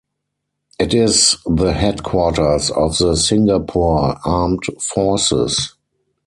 It is the headquarters of the Singapore Armed Forces.